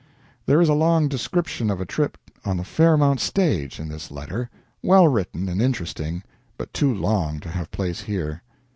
There is a long description of a trip on the Fairmount stage in this letter, well written and interesting, but too long to have place here.